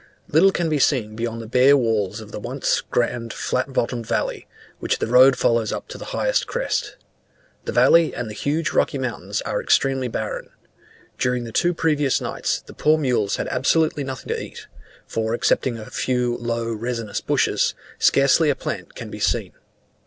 Little can be seen beyond the bare walls of the one grand flat bottomed valley, which the road follows up to the highest crest. The valley and the huge rocky mountains are extremely barren: during the two previous nights the poor mules had absolutely nothing to eat, for excepting a few low resinous bushes, scarcely a plant can be seen.